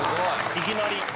いきなり。